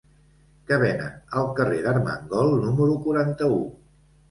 Què venen al carrer d'Armengol número quaranta-u?